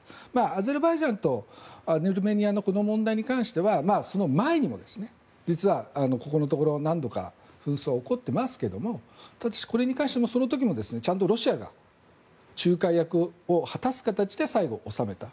アゼルバイジャンとアルメニアのこの問題に関してはその前にも、実はここのところ何度か紛争は起こっていますがこれに関してもちゃんとロシアが仲介役を果たす形で最後、収めた。